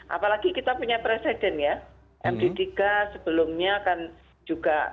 apalagi kita punya presiden ya md tiga sebelumnya kan juga